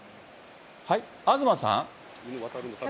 東さん。